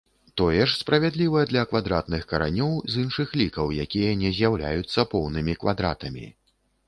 Тое ж справядліва для квадратных каранёў з іншых лікаў, якія не з'яўляюцца поўнымі квадратамі.